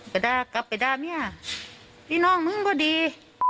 ด่ากลับไปด่าเมียพี่น้องมึงก็ดี